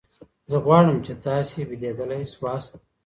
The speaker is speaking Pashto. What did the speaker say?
زه غواړم چي تاسي بېدېدلي سواست.